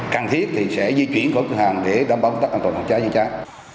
càng thiết thì sẽ di chuyển cửa hàng để đảm bảo an toàn phòng cháy